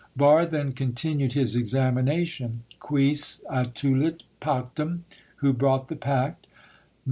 Barre then continued his examination. "Quis attulit pactum?" (Who brought the pact?)